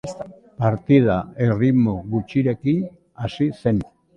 Partida erritmo gutxirekin hasi zen.